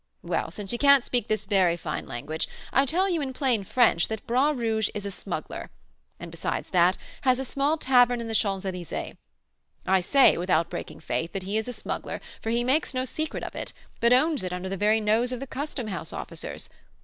Well, since you can't speak this very fine language, I tell you, in plain French, that Bras Rouge is a smuggler, and, besides that, has a small tavern in the Champs Elysées. I say, without breaking faith, that he is a smuggler, for he makes no secret of it, but owns it under the very nose of the custom house officers.